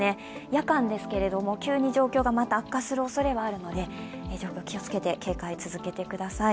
夜間ですけれども急に状況が悪化する恐れがあるので状況に気をつけて警戒を続けてください。